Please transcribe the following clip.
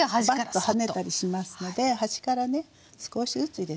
バッと跳ねたりしますので端からね少しずつ入れていって下さい。